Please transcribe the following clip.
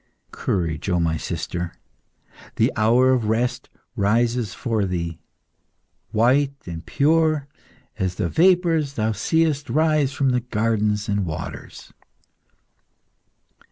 "Courage, O my sister! The hour of rest rises for thee, white and pure as the vapours thou seest rise from the gardens and waters."